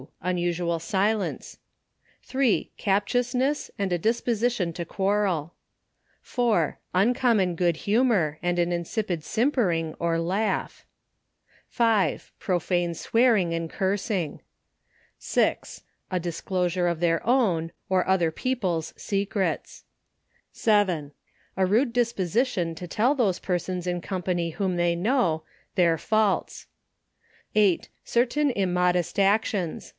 Unusual silence. A ON THE EFFECTS OF 3. Captiousncss, and a disposition to quarrel. 4. Uncommon good humour, and an insipid simpering, or laugh. 5. Profane swearing, and cursing. 6. A disclosure of their own, or other people's secrets. 7. A rude disposition to tell those persons in company whom they know, their faults. 8. Certain immodest actions.